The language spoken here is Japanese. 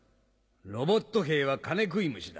ロボット兵は金食い虫だ。